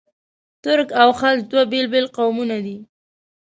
ترک او خلج دوه بېل بېل قومونه دي.